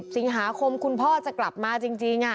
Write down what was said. สิงหาคมคุณพ่อจะกลับมาจริง